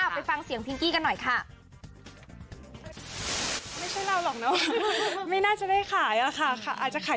ไปฟังเสียงพิงกี้กันหน่อยค่ะ